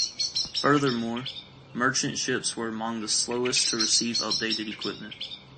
Furthermore, merchant ships were among the slowest to receive updated equipment.